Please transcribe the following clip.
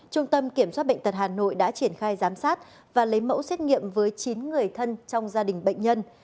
trung tâm kiểm soát bệnh tật hà nội đã triển khai giám sát và lấy mẫu xét nghiệm với chín người thân trong gia đình bệnh nhân